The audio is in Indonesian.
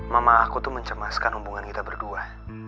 mama aku tuh mencemaskan hubungan kita berdua